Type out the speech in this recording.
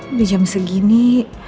udah jam segini